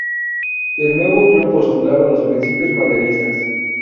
El nuevo club postulaba los principios maderistas.